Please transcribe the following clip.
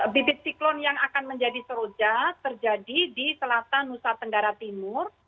bibit siklon yang akan menjadi seroja terjadi di selatan nusa tenggara timur